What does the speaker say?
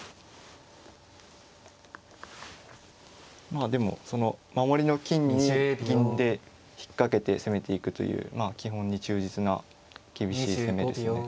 まあでもその守りの金銀で引っ掛けて攻めていくという基本に忠実な厳しい攻めですね。